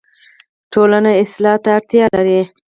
ټولنه اصلاح ته اړتیا لري